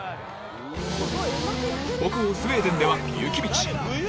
北欧スウェーデンでは雪道。